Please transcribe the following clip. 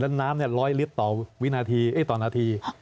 แล้วน้ำ๑๐๐ลิตรต่อนาที